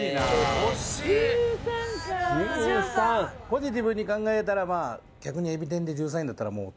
ポジティブに考えたらまあ逆にえび天で１３位だったらもう。